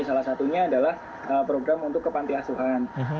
salah satunya adalah program untuk kepantiasuhan